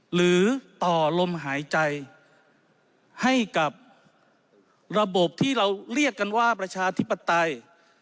หรือต่อลมหายใจให้กับระบบที่เราเรียกกันว่าประชาธิปไตย